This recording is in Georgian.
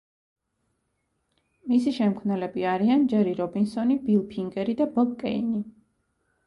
მისი შემქმნელები არიან ჯერი რობინსონი, ბილ ფინგერი და ბობ კეინი.